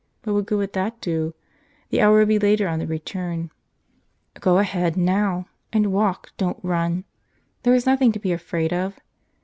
But what good would that do? The hour would be later on the return. Go ahead, now! And walk, don't run. There was nothing to be afraid of.